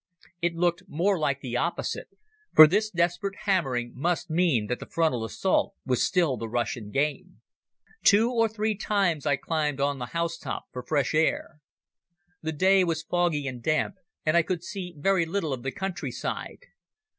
It looked more like the opposite, for this desperate hammering must mean that the frontal assault was still the Russian game. Two or three times I climbed on the housetop for fresh air. The day was foggy and damp, and I could see very little of the countryside.